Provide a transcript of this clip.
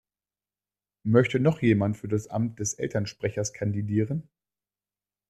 Möchte noch jemand für das Amt des Elternsprechers kandidieren?